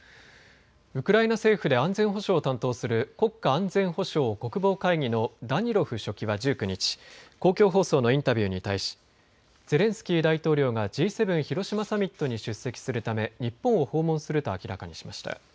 ウクライナ政府で安全保障を担当する国家安全保障・国防会議のダニロフ書記は１９日、公共放送のインタビューに対しゼレンスキー大統領がＧ７広島サミットに出席するため日本を訪問すると明らかにしました。